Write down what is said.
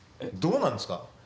どうなんですか？